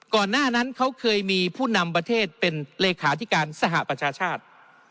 ก่อนหน้านั้นเขาเคยมีผู้นำประเทศเป็นเลขาธิการสหประชาชาติ